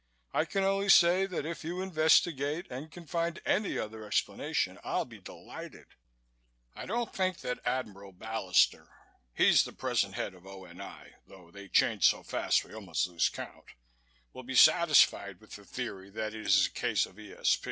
I can only say that if you investigate and can find any other explanation I'll be delighted." "I don't think that Admiral Ballister he's the present head of O.N.I., though they change so fast we almost lose count will be satisfied with the theory that it is a case of E.